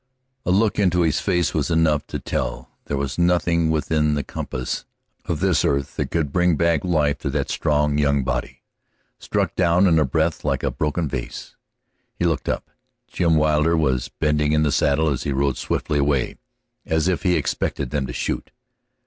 A look into his face was enough to tell that there was nothing within the compass of this earth that could bring back life to that strong, young body, struck down in a breath like a broken vase. He looked up. Jim Wilder was bending in the saddle as he rode swiftly away, as if he expected them to shoot.